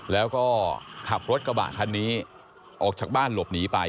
แล้วก็ขับรถกระบะคันนี้ออกจากบ้านหลบหนีไป